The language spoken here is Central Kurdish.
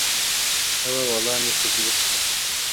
ئەوە وەڵامێکی دروستە.